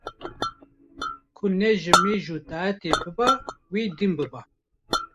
ku ne ji nimêj û taetê biba wê dîn biba